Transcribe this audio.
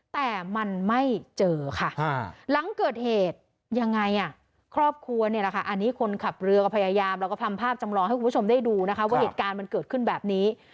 แต่มันไม่เจอค่ะหลังเกิดเหตุยังไงครอบครัวเนี่ยแหละค่ะอันนี้คนขับเรือก็พยายามแล้วก็พร่ำภาพจำลองให้คุณผู้ชมได้ดูนะคะว่าเหตุการณ์มันเกิดขึ้นแบบนี้